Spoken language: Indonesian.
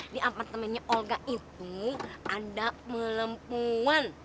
di apartemennya olga itu ada melempungan